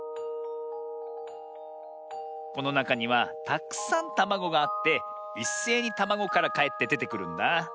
このなかにはたくさんたまごがあっていっせいにたまごからかえってでてくるんだ。